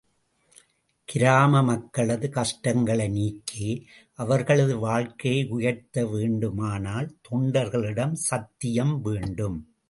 கிராம மக்களது கஷ்டங்களை நீக்கி, அவர்களது வாழ்க்கையை உயர்த்த வேண்டுமானால், தொண்டர்களிடம் சத்தியம் வேண்டும்.